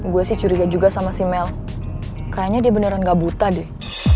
gue sih curiga juga sama si mel kayaknya dia beneran ga buta deh